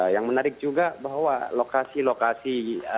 yang menarik juga bahwa lokasi lokasi